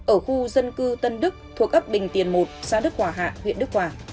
ở khu dân cư tân đức thuộc ấp bình tiền một xã đức hỏa hạ huyện đức hỏa